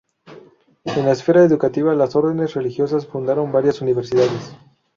En la esfera educativa, las órdenes religiosas fundaron varias universidades.